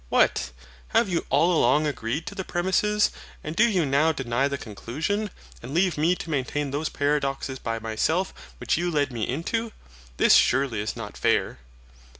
What! Have you all along agreed to the premises, and do you now deny the conclusion, and leave me to maintain those paradoxes by myself which you led me into? This surely is not fair.